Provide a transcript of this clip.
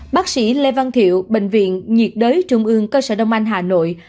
bác sĩ lê văn thiệu bệnh viện nhiệt đới trung ương cơ sở đông anh hà nội